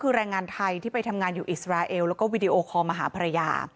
คือแรงงานไทยที่ไปทำงานอยู่อิสราเอลแล้วก็วีดีโอคอลมาหาภรรยา